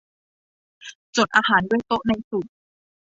จดอาหารด้วย โต๊ะในสุด